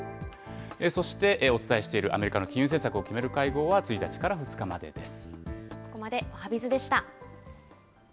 そしてお伝えしているアメリカの金融政策を決める会合は１日から２日までです。